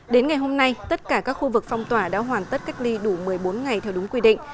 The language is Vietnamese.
đến ngày hôm nay tất cả các khu vực phong tỏa đã hoàn tất cách ly đủ một mươi bốn ngày theo đúng quy định